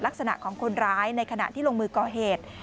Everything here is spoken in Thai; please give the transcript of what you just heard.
ลักษณะของคนร้ายในขณะที่ลงมือก่อเหตุ